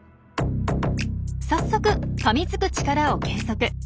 早速かみつく力を計測。